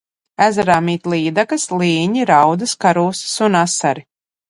Ezerā mīt līdakas, līņi, raudas, karūsas un asari.